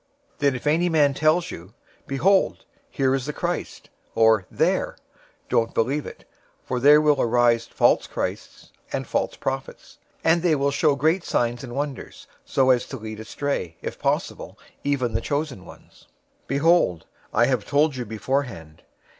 024:023 "Then if any man tells you, 'Behold, here is the Christ,' or, 'There,' don't believe it. 024:024 For there will arise false christs, and false prophets, and they will show great signs and wonders, so as to lead astray, if possible, even the chosen ones. 024:025 "Behold, I have told you beforehand.